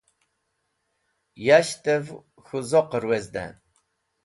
Yashtẽv k̃hũ zoqẽr wezdẽ.